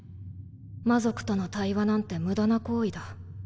魔族との対話なんて無駄な行為だ。